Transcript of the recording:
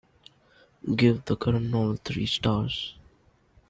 Give the current novel three stars